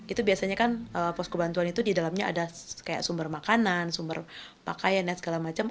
itu biasanya kan posko bantuan itu di dalamnya ada kayak sumber makanan sumber pakaian dan segala macam